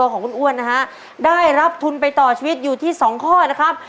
ของคุณอ้วนนะฮะได้รับทุนไปต่อชีวิตอยู่ที่๒ข้อนะครับ